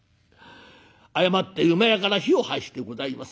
誤って厩から火を発してございます。